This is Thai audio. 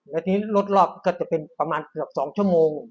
แล้วทีนี้รถรอบก็จะเป็นประมาณเกือบ๒ชั่วโมง